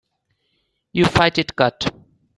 You fight it cut.